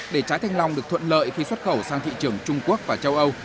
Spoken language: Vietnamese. để trái thanh long được thuận lợi khi xuất khẩu sang thị trường trung quốc và châu âu